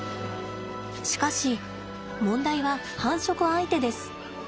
しかし問題は繁殖相手です。